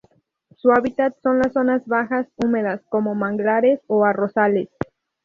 Su hábitat son las zonas bajas húmedas, como manglares o arrozales.